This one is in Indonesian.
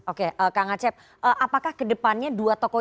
oke kak ngacep apakah kedepannya dua toko ini akan memperoleh